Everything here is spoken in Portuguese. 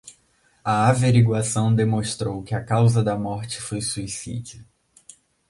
A averiguação demonstrou que a causa da morte foi suicídio